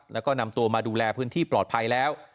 แล้วก็นำตัวมาดูแลพื้นที่ปลอดภัยแล้ว